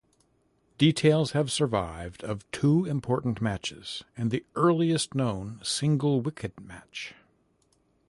Details have survived of two important matches and the earliest known single wicket match.